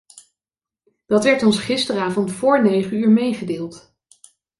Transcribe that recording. Dat werd ons gisteravond voor negen uur meegedeeld.